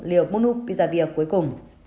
liều bonupiravir cuối cùng